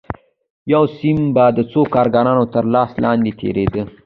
یو سیم به د څو کارګرانو تر لاس لاندې تېرېده